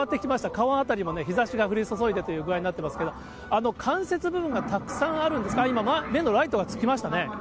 顔あたりも日ざしが降り注いでということなんですが、関節部分もたくさんあるんで、今、目のライトがつきましたね。